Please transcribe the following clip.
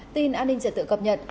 tin an ninh trật tự cập nhật